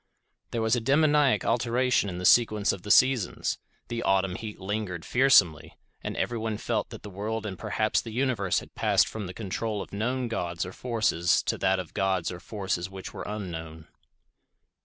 There was a daemoniac alteration in the sequence of the seasons—the autumn heat lingered fearsomely, and everyone felt that the world and perhaps the universe had passed from the control of known gods or forces to that of gods or forces which were unknown.